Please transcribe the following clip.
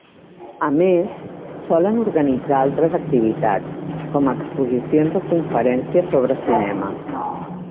A més, solen organitzar altres activitats, com exposicions o conferències sobre cinema.